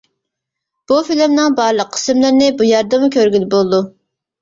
بۇ فىلىمنىڭ بارلىق قىسىملىرىنى بۇ يەردىنمۇ كۆرگىلى بولىدۇ.